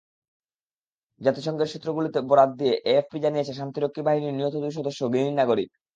জাতিসংঘের সূত্রগুলোর বরাত দিয়ে এএফপি জানিয়েছে, শান্তিরক্ষী বাহিনীর নিহত দুই সদস্য গিনির নাগরিক।